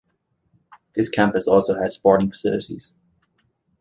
This campus also has sporting facilities.